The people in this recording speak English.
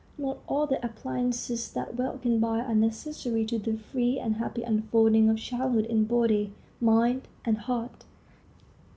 Not all the appliances that wealth can buy are necessary to the free and happy unfolding of childhood in body, mind, and heart.